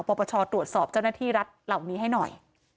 ปปชตรวจสอบเจ้าหน้าที่รัฐเหล่านี้ให้หน่อย